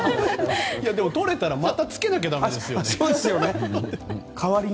とれたらまたつけなきゃだめですよね。